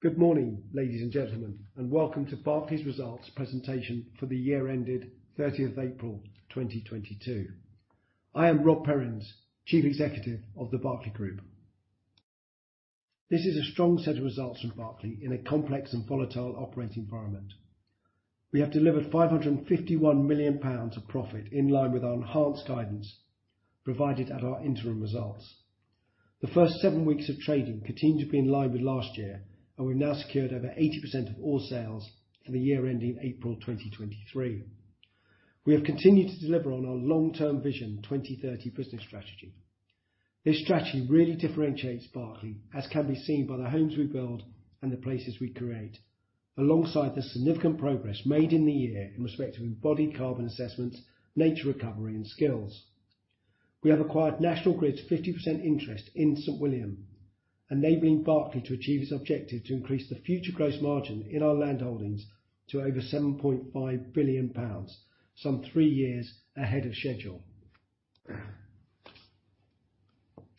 Good morning, ladies and gentlemen, and welcome to Berkeley's results presentation for the year ended 30th April 2022. I am Rob Perrins, Chief Executive of The Berkeley Group. This is a strong set of results from Berkeley in a complex and volatile operating environment. We have delivered 551 million pounds of profit in line with our enhanced guidance provided at our interim results. The first seven weeks of trading continues to be in line with last year, and we've now secured over 80% of all sales for the year ending April 2023. We have continued to deliver on our long-term Vision 2030 business strategy. This strategy really differentiates Berkeley, as can be seen by the homes we build and the places we create, alongside the significant progress made in the year in respect of Embodied Carbon Assessments, nature recovery, and skills. We have acquired National Grid's 50% interest in St William, enabling Berkeley to achieve its objective to increase the future gross margin in our landholdings to over 7.5 billion pounds some three years ahead of schedule.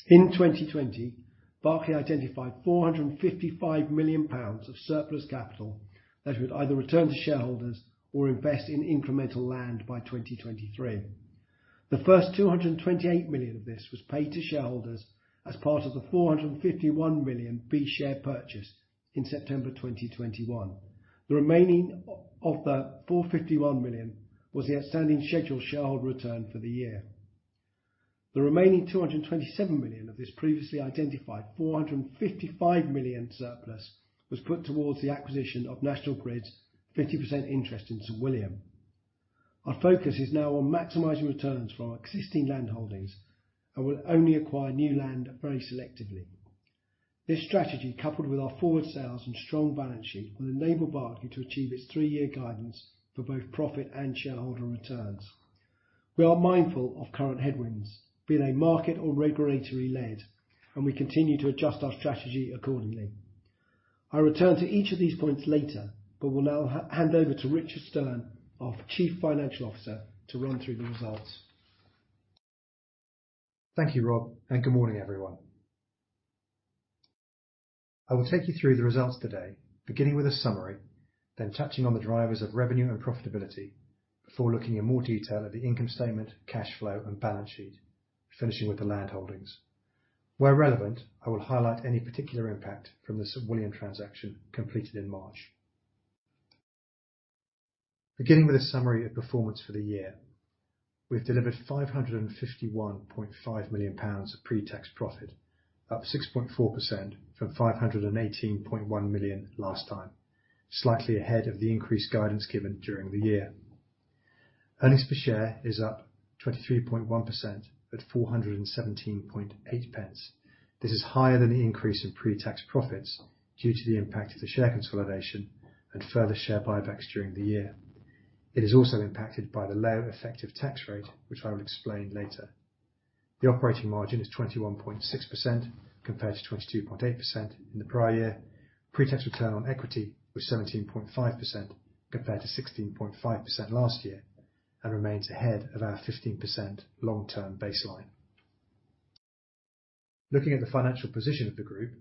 In 2020, Berkeley identified GBP 455 million of surplus capital that would either return to shareholders or invest in incremental land by 2023. The first 228 million of this was paid to shareholders as part of the 451 million B share purchase in September 2021. The remaining of the 451 million was the outstanding scheduled shareholder return for the year. The remaining 227 million of this previously identified 455 million surplus was put towards the acquisition of National Grid's 50% interest in St William. Our focus is now on maximizing returns from our existing landholdings and will only acquire new land very selectively. This strategy, coupled with our forward sales and strong balance sheet, will enable Berkeley to achieve its three-year guidance for both profit and shareholder returns. We are mindful of current headwinds, be they market or regulatory-led, and we continue to adjust our strategy accordingly. I'll return to each of these points later, but will now hand over to Richard Stearn, our Chief Financial Officer, to run through the results. Thank you, Rob, and good morning, everyone. I will take you through the results today, beginning with a summary, then touching on the drivers of revenue and profitability before looking in more detail at the income statement, cash flow, and balance sheet, finishing with the landholdings. Where relevant, I will highlight any particular impact from the St William transaction completed in March. Beginning with a summary of performance for the year, we've delivered 551.5 million pounds of pre-tax profit, up 6.4% from 518.1 million last time, slightly ahead of the increased guidance given during the year. Earnings per share is up 23.1% at 417.8. This is higher than the increase in pre-tax profits due to the impact of the share consolidation and further share buybacks during the year. It is also impacted by the lower effective tax rate, which I will explain later. The operating margin is 21.6% compared to 22.8% in the prior year. Pre-tax return on equity was 17.5% compared to 16.5% last year, and remains ahead of our 15% long-term baseline. Looking at the financial position of the group,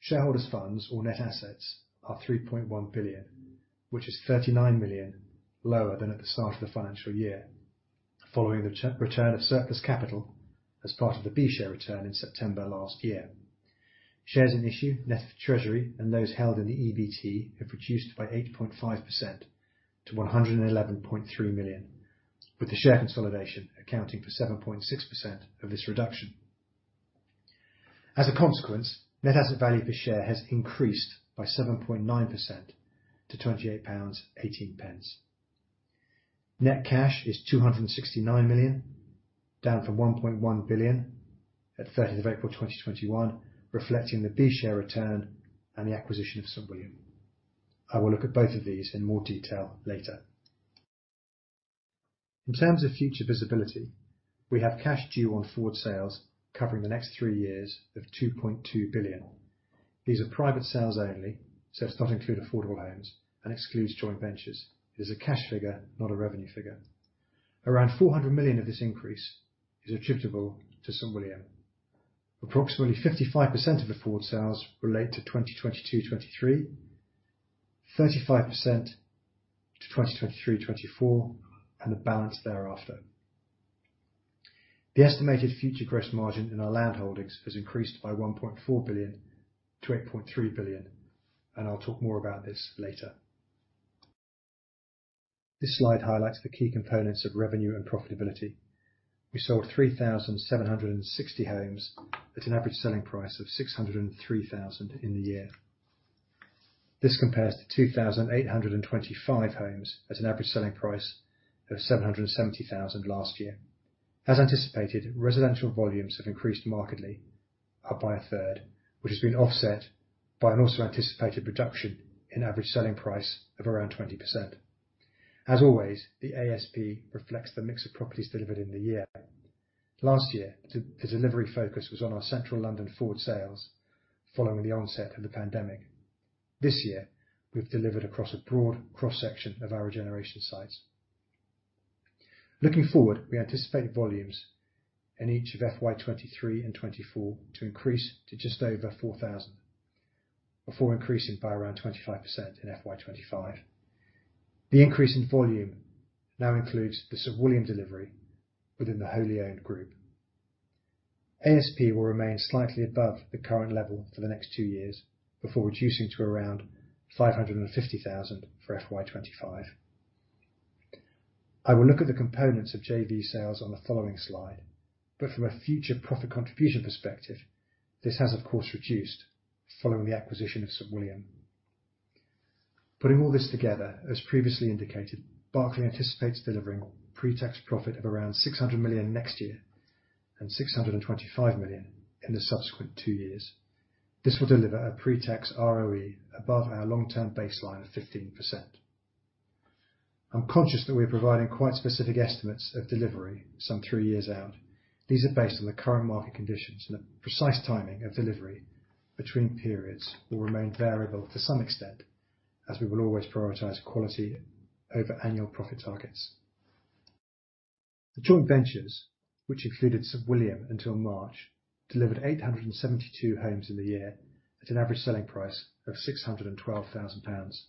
shareholders funds or net assets are 3.1 billion, which is 39 million lower than at the start of the financial year, following the return of surplus capital as part of the B share return in September last year. Shares in issue, net of treasury and those held in the EBT, have reduced by 8.5% to 111.3 million, with the share consolidation accounting for 7.6% of this reduction. As a consequence, net asset value per share has increased by 7.9% to 28.18 pounds. Net cash is 269 million, down from 1.1 billion at 30th of April 2021, reflecting the B share return and the acquisition of St William. I will look at both of these in more detail later. In terms of future visibility, we have cash due on forward sales covering the next three years of 2.2 billion. These are private sales only, so it does not include affordable homes and excludes joint ventures. This is a cash figure, not a revenue figure. Around 400 million of this increase is attributable to St William. Approximately 55% of the forward sales relate to 2022-2023, 35% to 2023-2024, and the balance thereafter. The estimated future gross margin in our landholdings has increased by 1.4 billion-8.3 billion, and I'll talk more about this later. This slide highlights the key components of revenue and profitability. We sold 3,760 homes at an average selling price of 603,000 in the year. This compares to 2,825 homes at an average selling price of 770,000 last year. As anticipated, residential volumes have increased markedly up by 1/3, which has been offset by an also anticipated reduction in average selling price of around 20%. As always, the ASP reflects the mix of properties delivered in the year. Last year, the delivery focus was on our central London forward sales following the onset of the pandemic. This year, we've delivered across a broad cross-section of our regeneration sites. Looking forward, we anticipate volumes in each of FY 2023 and 2024 to increase to just over 4,000, before increasing by around 25% in FY 2025. The increase in volume now includes the St William delivery within the wholly owned group. ASP will remain slightly above the current level for the next two years before reducing to around 550,000 for FY 2025. I will look at the components of JV sales on the following slide, but from a future profit contribution perspective, this has of course reduced following the acquisition of St William. Putting all this together, as previously indicated, Berkeley anticipates delivering pre-tax profit of around 600 million next year and 625 million in the subsequent two years. This will deliver a pre-tax ROE above our long-term baseline of 15%. I'm conscious that we're providing quite specific estimates of delivery some three years out. These are based on the current market conditions and the precise timing of delivery between periods will remain variable to some extent as we will always prioritize quality over annual profit targets. The joint ventures, which included St William until March, delivered 872 homes in the year at an average selling price of 612,000 pounds.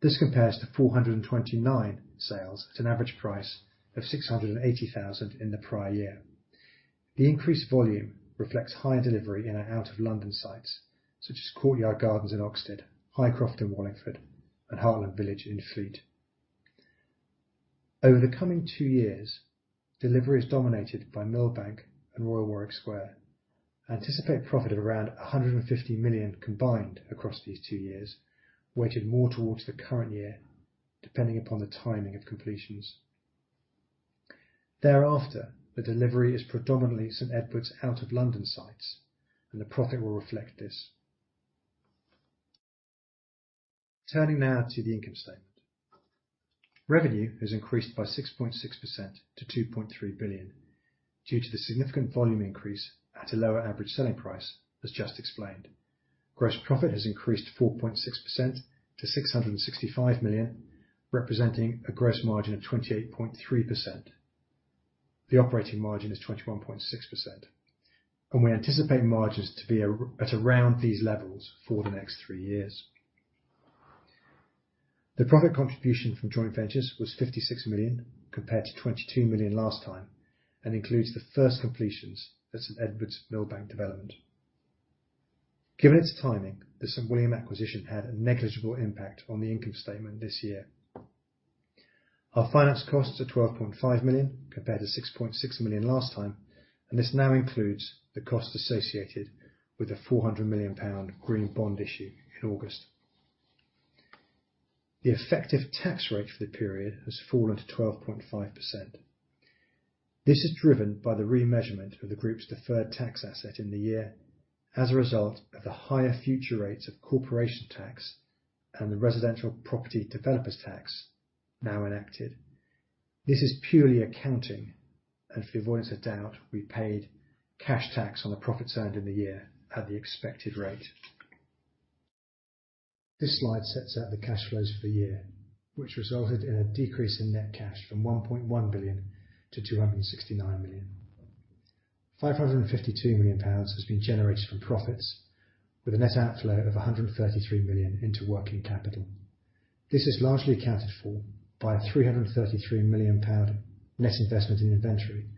This compares to 429 sales at an average price of 680,000 in the prior year. The increased volume reflects higher delivery in our out of London sites such as Courtyard Gardens in Oxted, Highcroft in Wallingford, and Hartland Village in Fleet. Over the coming two years, delivery is dominated by Millbank and Royal Warwick Square. Anticipate profit of around 150 million combined across these two years, weighted more towards the current year, depending upon the timing of completions. Thereafter, the delivery is predominantly St Edward's out of London sites, and the profit will reflect this. Turning now to the income statement. Revenue has increased by 6.6% to 2.3 billion due to the significant volume increase at a lower average selling price, as just explained. Gross profit has increased 4.6% to 665 million, representing a gross margin of 28.3%. The operating margin is 21.6%, and we anticipate margins to be at around these levels for the next three years. The profit contribution from joint ventures was 56 million, compared to 22 million last time, and includes the first completions at St Edward's Millbank development. Given its timing, the St William acquisition had a negligible impact on the income statement this year. Our finance costs are 12.5 million, compared to 6.6 million last time, and this now includes the cost associated with the 400 million pound green bond issue in August. The effective tax rate for the period has fallen to 12.5%. This is driven by the remeasurement of the group's deferred tax asset in the year as a result of the higher future rates of corporation tax and the Residential Property Developer Tax now enacted. This is purely accounting, and for the avoidance of doubt, we paid cash tax on the profits earned in the year at the expected rate. This slide sets out the cash flows for the year, which resulted in a decrease in net cash from 1.1 billion to 269 million. 552 million pounds has been generated from profits with a net outflow of 133 million into working capital. This is largely accounted for by a 333 million pound net investment in inventory,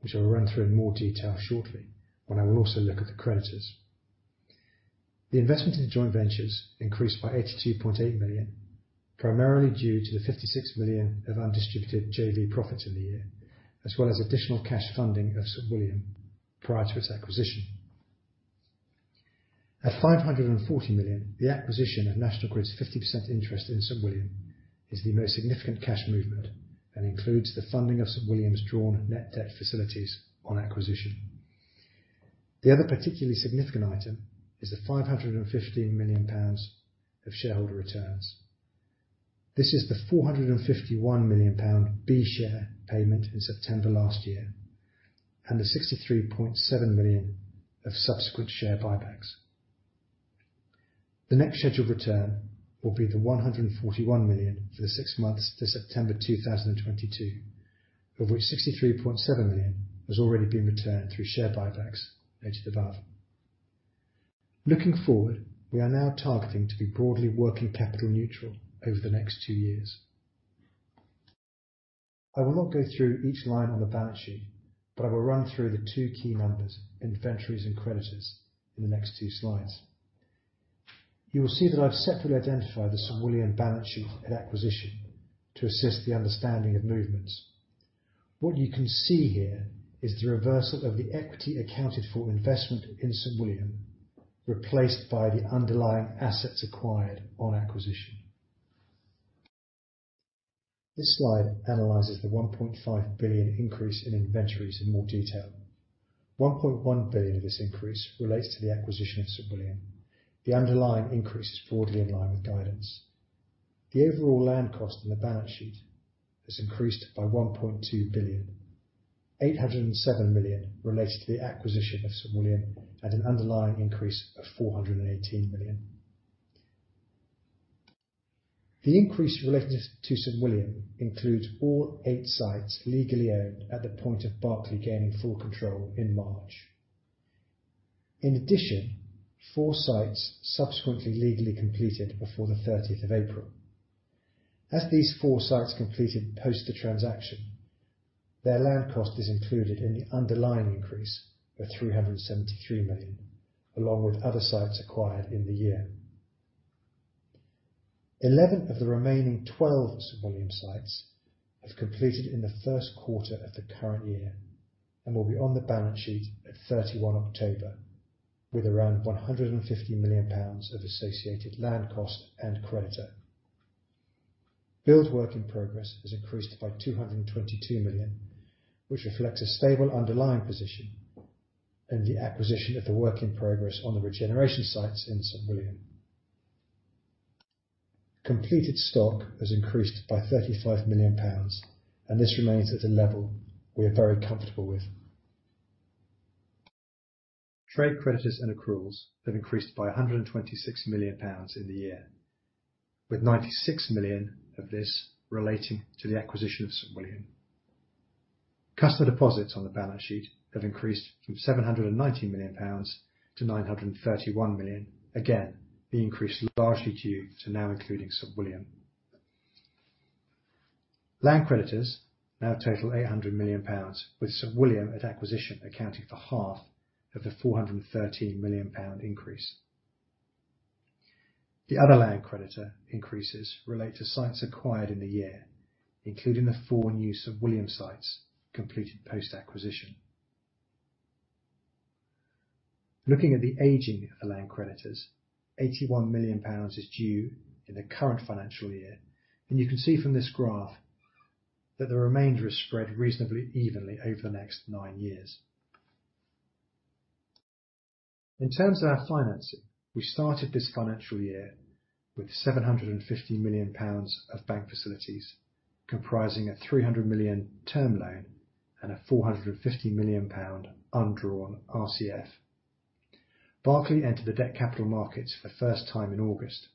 which I'll run through in more detail shortly when I will also look at the creditors. The investment in joint ventures increased by 82.8 million, primarily due to the 56 million of undistributed JV profits in the year, as well as additional cash funding of St William prior to its acquisition. At 540 million, the acquisition of National Grid's 50% interest in St. William is the most significant cash movement and includes the funding of St William's drawn net debt facilities on acquisition. The other particularly significant item is the 515 million pounds of shareholder returns. This is the 451 million pound B share payment in September last year, and the 63.7 million of subsequent share buybacks. The next scheduled return will be the 141 million for the six months to September 2022, of which 63.7 million has already been returned through share buybacks mentioned above. Looking forward, we are now targeting to be broadly working capital neutral over the next two years. I will not go through each line on the balance sheet, but I will run through the two key numbers, inventories and creditors in the next two slides. You will see that I've separately identified the St William balance sheet at acquisition to assist the understanding of movements. What you can see here is the reversal of the equity accounted for investment in St William, replaced by the underlying assets acquired on acquisition. This slide analyzes the 1.5 billion increase in inventories in more detail. 1.1 billion of this increase relates to the acquisition of St William. The underlying increase is broadly in line with guidance. The overall land cost in the balance sheet has increased by 1.2 billion. 807 million relates to the acquisition of St William at an underlying increase of 418 million. The increase related to St William includes all eight sites legally owned at the point of Berkeley gaining full control in March. In addition, four sites subsequently legally completed before the 13th of April. As these four sites completed post the transaction, their land cost is included in the underlying increase of 373 million, along with other sites acquired in the year. 11 of the remaining 12 St William sites have completed in the first quarter of the current year and will be on the balance sheet at 31 October with around 150 million pounds of associated land cost and creditor. Build work in progress has increased by 222 million, which reflects a stable underlying position in the acquisition of the work in progress on the regeneration sites in St William. Completed stock has increased by 35 million pounds and this remains at a level we are very comfortable with. Trade creditors and accruals have increased by 126 million pounds in the year, with 96 million of this relating to the acquisition of St William. Customer deposits on the balance sheet have increased from 790 million-931 million pounds, again, the increase largely due to now including St William. Land creditors now total 800 million pounds, with St William at acquisition accounting for half of the 413 million pound increase. The other land creditor increases relate to sites acquired in the year, including the four new St William sites completed post-acquisition. Looking at the aging of the land creditors, 81 million pounds is due in the current financial year. You can see from this graph that the remainder is spread reasonably evenly over the next nine years. In terms of our financing, we started this financial year with 750 million pounds of bank facilities, comprising a 300 million term loan and a 450 million pound undrawn RCF. Berkeley entered the debt capital markets for the first time in August,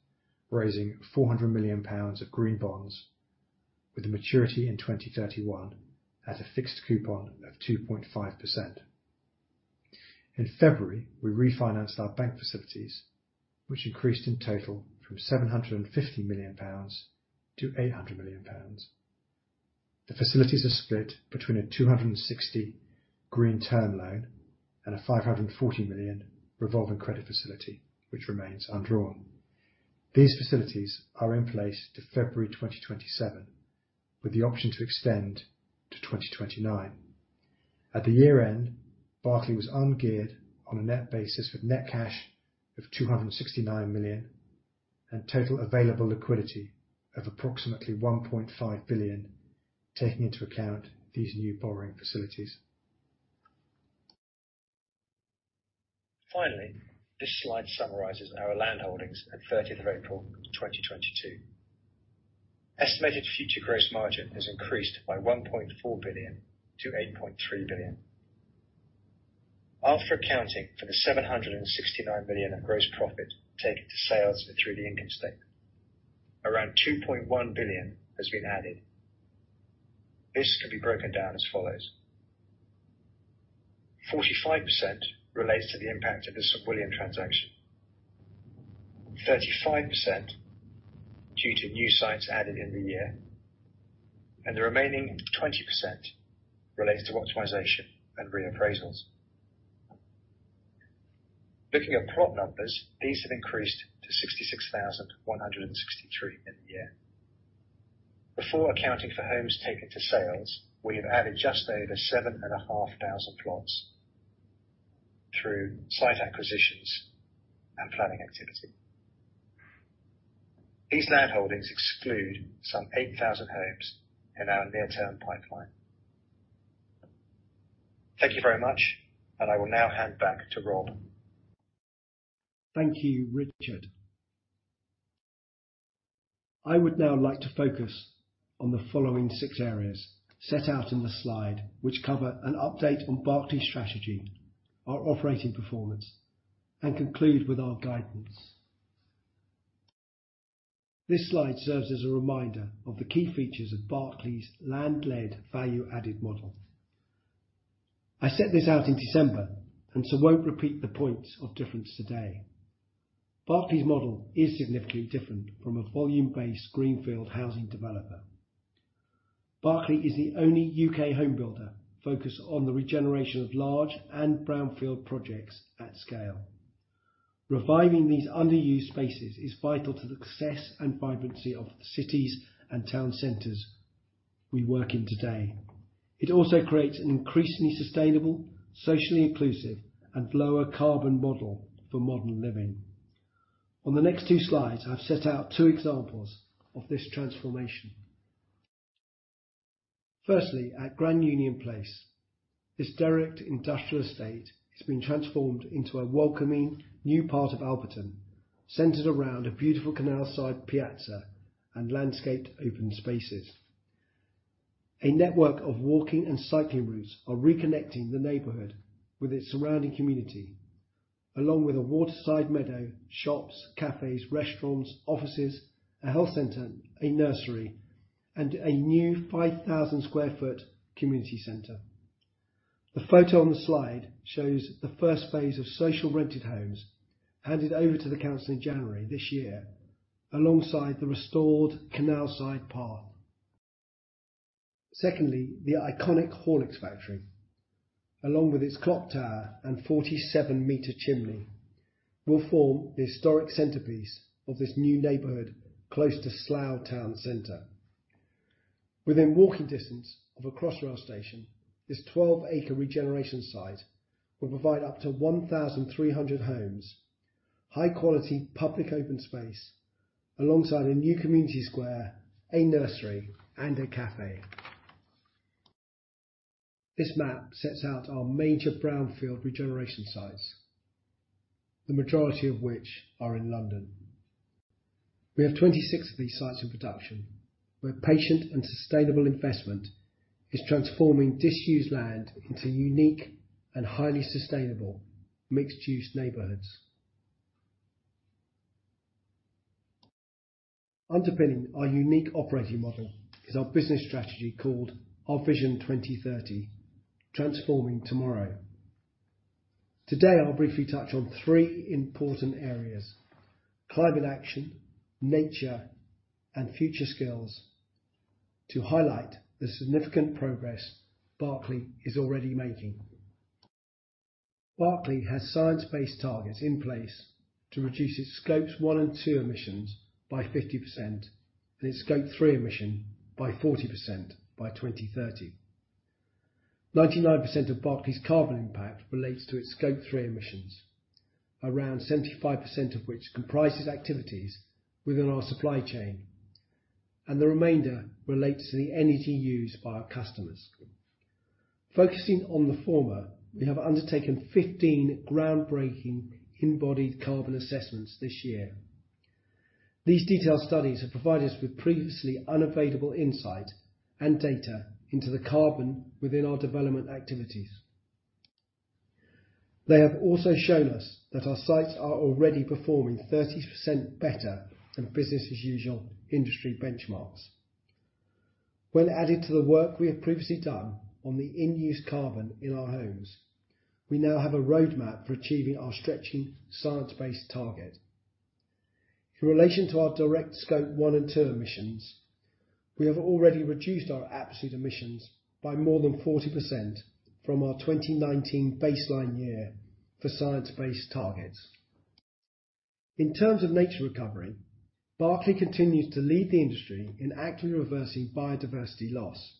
raising 400 million pounds of green bonds with a maturity in 2031 at a fixed coupon of 2.5%. In February, we refinanced our bank facilities, which increased in total from 750 million-800 million pounds. The facilities are split between a 260 million green term loan and a 540 million revolving credit facility, which remains undrawn. These facilities are in place to February 2027, with the option to extend to 2029. At the year end, Berkeley was ungeared on a net basis with net cash of 269 million and total available liquidity of approximately 1.5 billion, taking into account these new borrowing facilities. Finally, this slide summarizes our landholdings at 30th April 2022. Estimated future gross margin has increased by 1.4 billion-8.3 billion. After accounting for the 769 million of gross profit taken to sales through the income statement, around 2.1 billion has been added. This can be broken down as follows. 45% relates to the impact of the St William transaction. 35% due to new sites added in the year. The remaining 20% relates to optimization and reappraisals. Looking at plot numbers, these have increased to 66,163 in the year. Before accounting for homes taken to sales, we have added just over 7,500 plots through site acquisitions and planning activity. These landholdings exclude some 8,000 homes in our near-term pipeline. Thank you very much, and I will now hand back to Rob. Thank you, Richard. I would now like to focus on the following six areas set out in the slide, which cover an update on Berkeley's strategy, our operating performance, and conclude with our guidance. This slide serves as a reminder of the key features of Berkeley's land-led value added model. I set this out in December and so won't repeat the points of difference today. Berkeley's model is significantly different from a volume-based greenfield housing developer. Berkeley is the only U.K. home builder focused on the regeneration of large and brownfield projects at scale. Reviving these underused spaces is vital to the success and vibrancy of the cities and town centers we work in today. It also creates an increasingly sustainable, socially inclusive, and lower carbon model for modern living. On the next two slides, I've set out two examples of this transformation. Firstly, at Grand Union, this derelict industrial estate has been transformed into a welcoming new part of Alperton, centered around a beautiful Canalside Piazza and landscaped open spaces. A network of walking and cycling routes are reconnecting the neighborhood with its surrounding community, along with a waterside meadow, shops, cafes, restaurants, offices, a health center, a nursery, and a new 5,000 sq ft community center. The photo on the slide shows the first phase of social rented homes handed over to the council in January this year, alongside the restored canalside path. Secondly, the iconic Horlicks Factory, along with its clock tower and 47-meter chimney, will form the historic centerpiece of this new neighborhood close to Slough Town Center. Within walking distance of a Crossrail station, this 12-acre regeneration site will provide up to 1,300 homes, high quality public open space alongside a new community square, a nursery, and a cafe. This map sets out our major brownfield regeneration sites, the majority of which are in London. We have 26 of these sites in production, where patient and sustainable investment is transforming disused land into unique and highly sustainable mixed-use neighborhoods. Underpinning our unique operating model is our business strategy called Our Vision 2030, Transforming Tomorrow. Today, I'll briefly touch on three important areas, climate action, nature, and future skills to highlight the significant progress Berkeley is already making. Berkeley has Science Based Targets in place to reduce its Scope 1 and 2 emissions by 50% and its Scope 3 emissions by 40% by 2030. 99% of Berkeley's carbon impact relates to its Scope 3 emissions, around 75% of which comprises activities within our supply chain, and the remainder relates to the energy used by our customers. Focusing on the former, we have undertaken 15 groundbreaking Embodied Carbon Assessments this year. These detailed studies have provided us with previously unavailable insight and data into the carbon within our development activities. They have also shown us that our sites are already performing 30% better than business as usual industry benchmarks. When added to the work we have previously done on the in-use carbon in our homes, we now have a roadmap for achieving our stretching Science Based Target. In relation to our direct Scope 1 and 2 emissions, we have already reduced our absolute emissions by more than 40% from our 2019 baseline year for Science Based Targets. In terms of nature recovery, Berkeley continues to lead the industry in actively reversing biodiversity loss.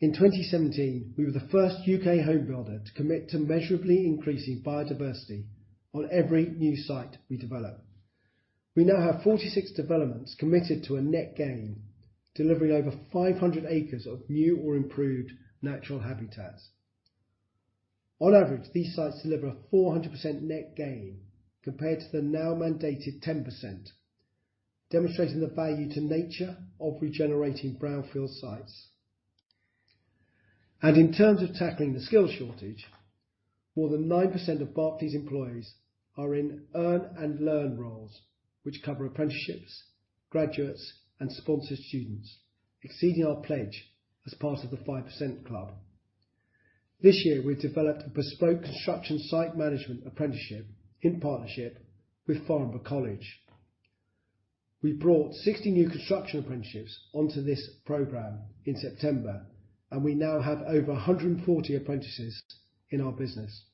In 2017, we were the first U.K. home builder to commit to measurably increasing biodiversity on every new site we develop. We now have 46 developments committed to a net gain, delivering over 500 acres of new or improved natural habitats. On average, these sites deliver a 400% net gain compared to the now mandated 10%, demonstrating the value to nature of regenerating brownfield sites. In terms of tackling the skills shortage, more than 9% of Berkeley's employees are in earn and learn roles, which cover apprenticeships, graduates, and sponsored students, exceeding our pledge as part of The 5% Club. This year, we developed a bespoke construction site management apprenticeship in partnership with Farnborough College. We brought 60 new construction apprenticeships onto this program in September, and we now have over 140 apprentices in our business.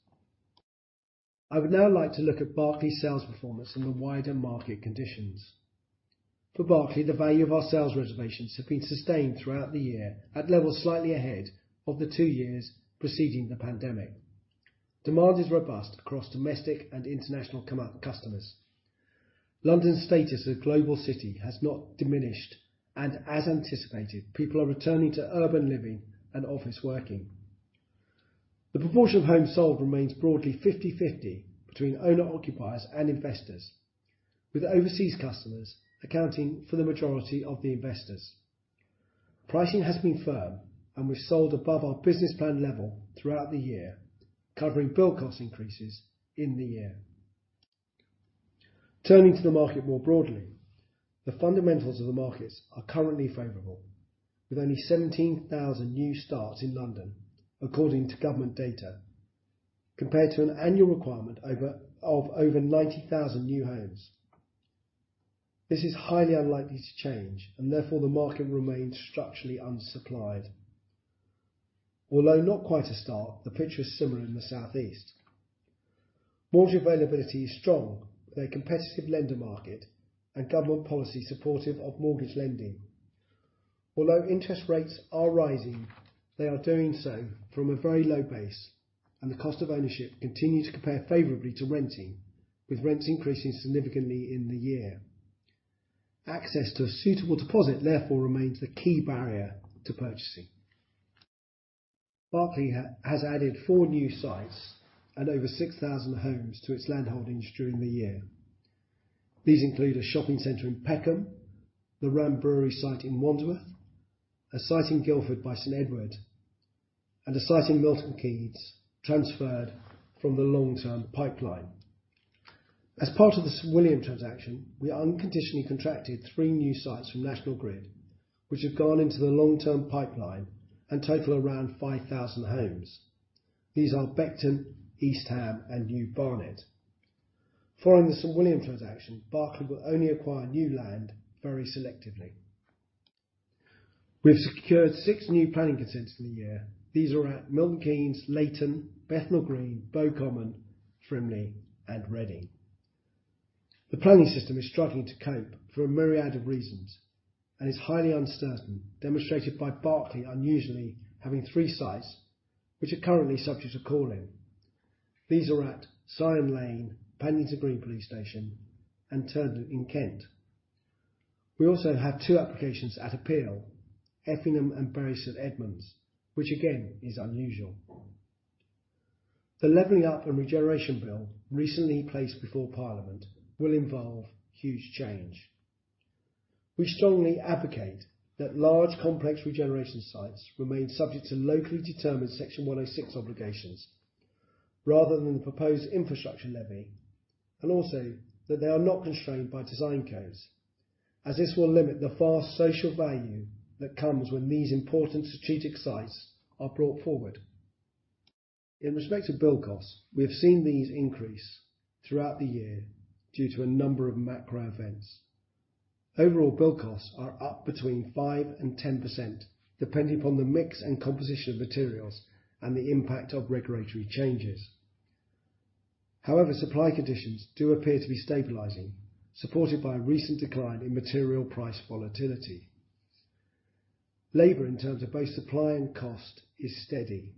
I would now like to look at Berkeley's sales performance in the wider market conditions. For Berkeley, the value of our sales reservations have been sustained throughout the year at levels slightly ahead of the two years preceding the pandemic. Demand is robust across domestic and international customers. London's status as a global city has not diminished, and as anticipated, people are returning to urban living and office working. The proportion of homes sold remains broadly 50/50 between owner occupiers and investors, with overseas customers accounting for the majority of the investors. Pricing has been firm, and we sold above our business plan level throughout the year, covering build cost increases in the year. Turning to the market more broadly, the fundamentals of the markets are currently favorable, with only 17,000 new starts in London, according to government data, compared to an annual requirement of over 90,000 new homes. This is highly unlikely to change and therefore the market remains structurally unsupplied. Although not quite a start, the picture is similar in the southeast. Mortgage availability is strong with a competitive lender market and government policy supportive of mortgage lending. Although interest rates are rising, they are doing so from a very low base, and the cost of ownership continue to compare favorably to renting, with rents increasing significantly in the year. Access to a suitable deposit, therefore remains the key barrier to purchasing. Berkeley has added four new sites and over 6,000 homes to its land holdings during the year. These include a shopping center in Peckham, the Ram Brewery site in Wandsworth, a site in Guildford by St Edward, and a site in Milton Keynes transferred from the long-term pipeline. As part of the St William transaction, we unconditionally contracted three new sites from National Grid, which have gone into the long-term pipeline and total around 5,000 homes. These are Beckton, East Ham, and New Barnet. Following the St. William transaction, Berkeley will only acquire new land very selectively. We have secured six new planning consents in the year. These are at Milton Keynes, Leighton, Bethnal Green, Bow Common, Frimley, and Reading. The planning system is struggling to cope for a myriad of reasons and is highly uncertain, demonstrated by Berkeley unusually having three sites which are currently subject to call-in. These are at Syon Lane, Paddington Green Police Station, and Tonbridge in Kent. We also have two applications at appeal, Effingham and Bury St. Edmunds, which again is unusual. The Levelling-up and Regeneration Bill recently placed before Parliament will involve huge change. We strongly advocate that large complex regeneration sites remain subject to locally determined Section 106 obligations rather than the proposed Infrastructure Levy, and also that they are not constrained by design codes, as this will limit the vast social value that comes when these important strategic sites are brought forward. With respect to build costs, we have seen these increase throughout the year due to a number of macro events. Overall build costs are up between 5% and 10%, depending upon the mix and composition of materials and the impact of regulatory changes. However, supply conditions do appear to be stabilizing, supported by a recent decline in material price volatility. Labor in terms of both supply and cost is steady.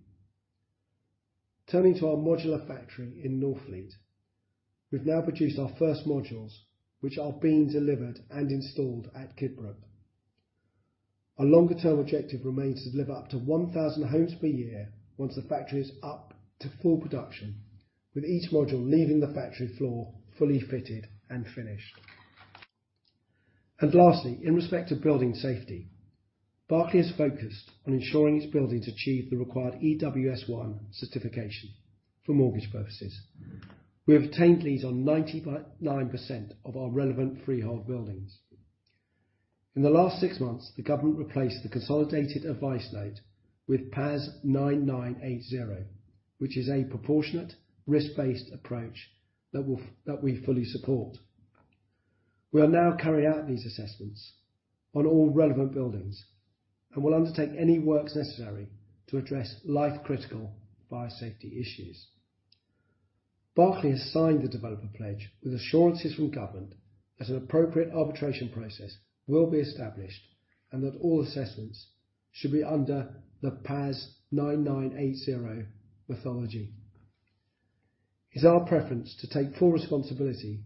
Turning to our modular factory in Northfleet, we've now produced our first modules, which are being delivered and installed at Kidbrooke. Our longer-term objective remains to deliver up to 1,000 homes per year once the factory is up to full production, with each module leaving the factory floor fully fitted and finished. Lastly, in respect to building safety, Berkeley is focused on ensuring its buildings achieve the required EWS1 certification for mortgage purposes. We have obtained these on 99% of our relevant freehold buildings. In the last six months, the government replaced the Consolidated Advice Note with PAS 9980, which is a proportionate risk-based approach that we fully support. We are now carrying out these assessments on all relevant buildings and will undertake any works necessary to address life-critical fire safety issues. Berkeley has signed the Developer Pledge with assurances from government that an appropriate arbitration process will be established and that all assessments should be under the PAS 9980 methodology. It's our preference to take full responsibility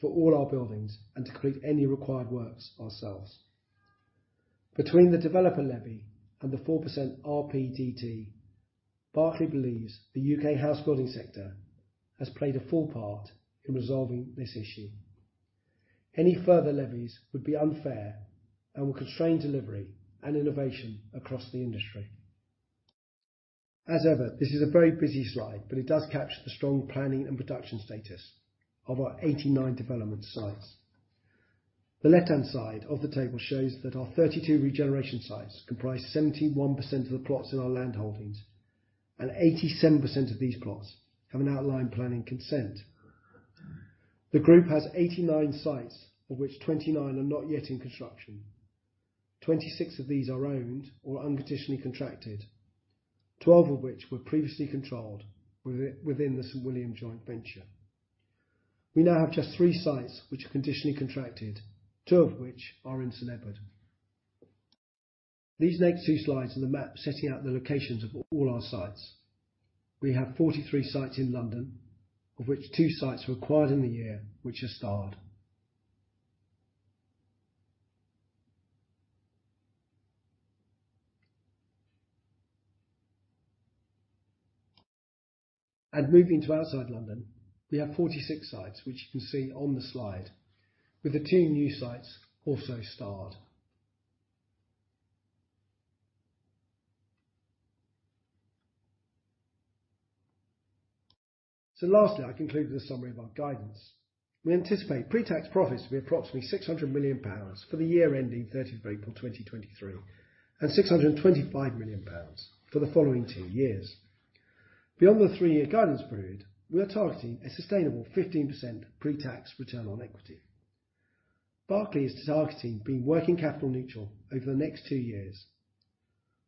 for all our buildings and to complete any required works ourselves. Between the developer levy and the 4% RPDT, Berkeley believes the U.K. house building sector has played a full part in resolving this issue. Any further levies would be unfair and would constrain delivery and innovation across the industry. As ever, this is a very busy slide, but it does capture the strong planning and production status of our 89 development sites. The left-hand side of the table shows that our 32 regeneration sites comprise 71% of the plots in our land holdings, and 87% of these plots have an outline planning consent. The group has 89 sites, of which 29 are not yet in construction. 26 of these are owned or unconditionally contracted, 12 of which were previously controlled within the St William joint venture. We now have just three sites which are conditionally contracted, two of which are in St Edward. These next two slides are the map setting out the locations of all our sites. We have 43 sites in London, of which two sites were acquired in the year which are starred. Moving to outside London, we have 46 sites which you can see on the slide, with the two new sites also starred. Lastly, I conclude with a summary of our guidance. We anticipate pre-tax profits to be approximately 600 million pounds for the year ending 30th April 2023, and 625 million pounds for the following two years. Beyond the three-year guidance period, we are targeting a sustainable 15% pre-tax return on equity. Berkeley is targeting being working capital neutral over the next two years.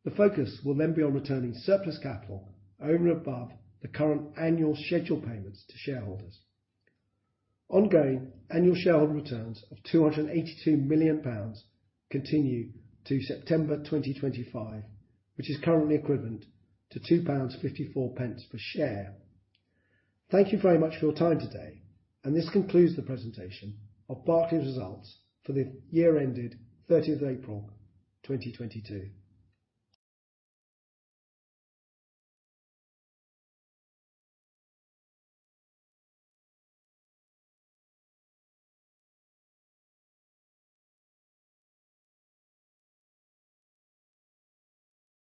The focus will then be on returning surplus capital over and above the current annual scheduled payments to shareholders. Ongoing annual shareholder returns of GBP 282 million continue to September 2025, which is currently equivalent to 2.54 pounds per share. Thank you very much for your time today. This concludes the presentation of Berkeley's results for the year ended 30th April 2022.